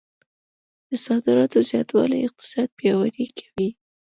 د صادراتو زیاتوالی اقتصاد پیاوړی کوي.